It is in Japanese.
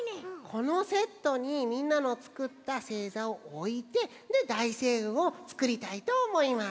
このセットにみんなのつくったせいざをおいてでだいせいうんをつくりたいとおもいます。